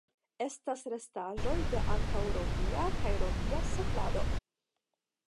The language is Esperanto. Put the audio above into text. Estas restaĵoj de antaŭromia kaj de romia setlado.